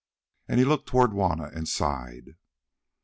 And he looked towards Juanna and sighed.